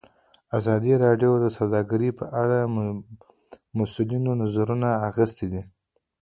ازادي راډیو د سوداګري په اړه د مسؤلینو نظرونه اخیستي.